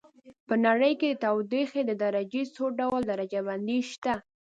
په نړۍ کې د تودوخې د درجې څو ډول درجه بندي شته.